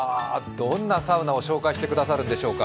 どんなサウナを紹介してくれるんでしょうか。